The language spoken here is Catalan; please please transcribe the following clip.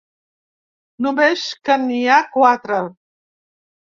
Només que n'hi ha quatre.